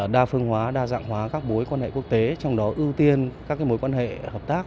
đa phương hóa đa dạng hóa các mối quan hệ quốc tế trong đó ưu tiên các mối quan hệ hợp tác